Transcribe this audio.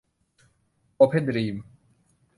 โอเพ่นดรีม